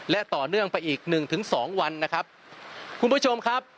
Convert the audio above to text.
และต่อเนื่องไปอีกหนึ่งถึงสองวันนะครับคุณผู้ชมครับ